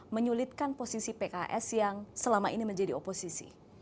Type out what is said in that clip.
menyulitkan posisi pks yang selama ini menjadi oposisi